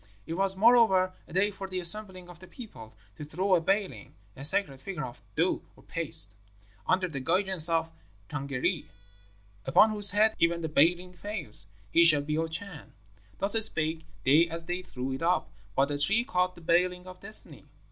It was, moreover, a day for the assembling of the people, to throw a Baling (a sacred figure of dough or paste) under the guidance of the Tângâri. 'Upon whose head even the Baling falls, he shall be our Chan.' Thus spake they as they threw it up; but the tree caught the Baling of Destiny.